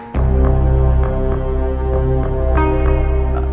masalah kantor mas